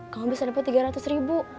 kamu bisa dapat tiga ratus ribu